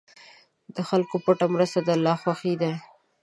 د خلکو پټه مرسته د الله خوښي ده.